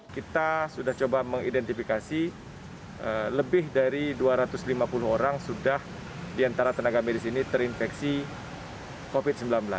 kita sudah coba mengidentifikasi lebih dari dua ratus lima puluh orang sudah diantara tenaga medis ini terinfeksi covid sembilan belas